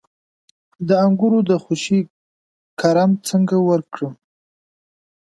د انګورو د خوشې کرم څنګه ورک کړم؟